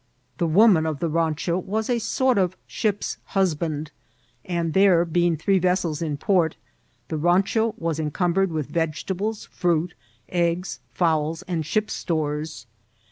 The woman of the rancho was a sort of shq>'s hus band ; and there being three vessels in port, the rancho was encumbered with vegetables, fruit, eggs, fowls, and ship's stores.